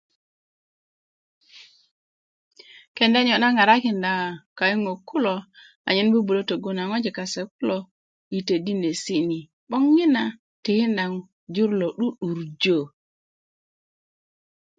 kenda niyo' na ŋarakinda kayuŋök kulo anyen bubulö töggu na ŋwajik kase kulo yi todinesi' ni 'boŋ yina tikinda jur lo 'du'durjö